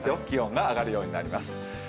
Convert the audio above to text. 気温が上がるようになります。